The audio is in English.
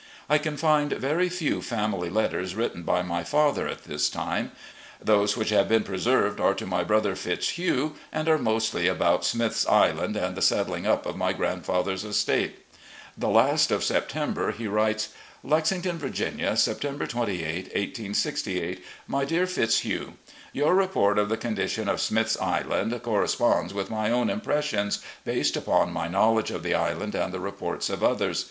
I can find very few family letters written by my father at this time. Those which have been preserved are to my brother Fitzhugh, and are mostly about Smith's Island and the settling up of my grandfather's estate. The last of September he writes: "Lexington, Virginia, September 28, 1868. "My Dear Fitzhugh: Your report of the condition of Smith's Island corresponds with my own impressions, based upon my knowledge of the island and the reports of others.